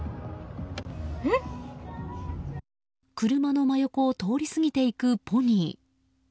車の真横を通り過ぎていくポニー。